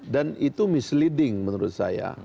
dan itu misleading menurut saya